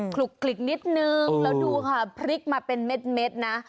คลุกนิดนึงแล้วดูค่ะพริกมาเป็นเม็ดนะ